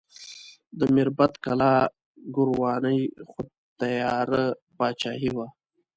د میربت کلا ګورواني خو تیاره پاچاهي وه.